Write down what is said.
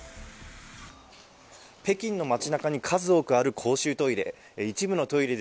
北京の街なかに数多くある公衆トイレ。